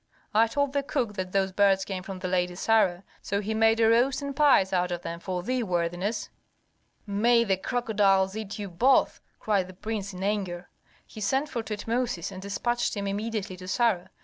I told the cook that those birds came from the Lady Sarah; so he made a roast and pies out of them for thee, worthiness." "May the crocodiles eat you both!" cried the prince, in anger. He sent for Tutmosis and despatched him immediately to Sarah.